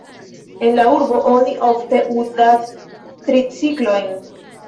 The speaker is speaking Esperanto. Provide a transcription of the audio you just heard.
En la urbo oni ofte uzas triciklojn.